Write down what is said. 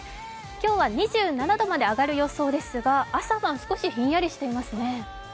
今日は２７度まで上がる予想ですが朝晩は少しひんやりしていますね。